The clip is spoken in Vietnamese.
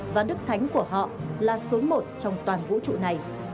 và đức thánh của họ là số một trong toàn vũ trụ này